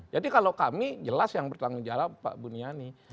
jadi kalau kami jelas yang bertanggung jawab pak buniani